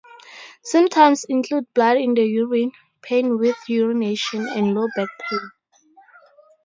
Symptoms include blood in the urine, pain with urination, and low back pain.